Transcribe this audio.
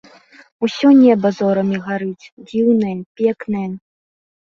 Усё неба зорамі гарыць, дзіўнае, пекнае!